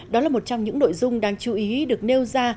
đó là một trong những nội dung đáng chú ý được nêu ra